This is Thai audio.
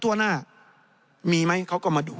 ทั่วหน้ามีไหมเขาก็มาดู